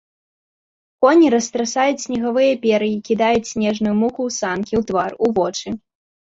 Коні растрасаюць снегавыя пер'і, кідаюць снежную муку ў санкі, у твар, у вочы.